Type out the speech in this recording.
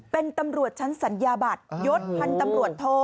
เป็นตำรวจชั้นสัญญาบัตรยศพันธ์ตำรวจโท